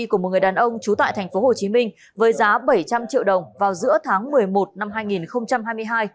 của một người đàn ông chú tại tp hồ chí minh với giá bảy trăm linh triệu đồng vào giữa tháng một mươi một năm hai nghìn hai mươi hai